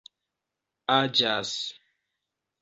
aĝas